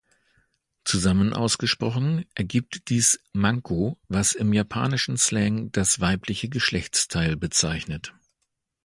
Zusammen ausgesprochen ergibt dies "manko", was im japanischen Slang das weibliche Geschlechtsteil bezeichnet.